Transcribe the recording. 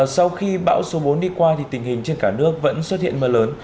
sau khi bão số bốn đi qua tình hình trên cả nước vẫn xuất hiện mưa lớn